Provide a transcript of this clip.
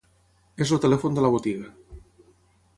És el telèfon de la botiga.